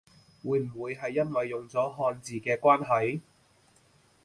會唔會係因為用咗漢字嘅關係？